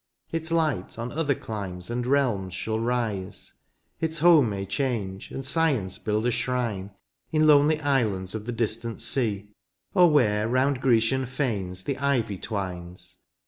Its light on other climes and realms shall rise : Its home may change, and science build a shrine. In lonely islands of the distant sea. Or where round Grecian fanes the ivy twines.